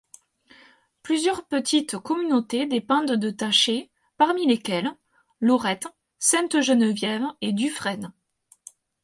Plusieurs petites communautés dépendent de Taché, parmi lesquelles, Lorette, Sainte Geneviève et Dufresne.